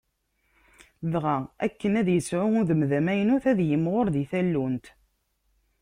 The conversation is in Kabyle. Dɣa, akken ad yesɛu udem d amaynut, ad yimɣur di tallunt.